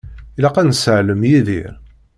Ilaq ad nesseɛlem Yidir.